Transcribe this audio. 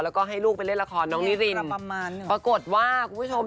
แล้วก็ให้ลูกไปเล่นละครน้องนิรินปรากฏว่าคุณผู้ชม